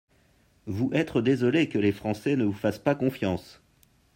Vous être désolé que les Français ne vous fassent pas confiance.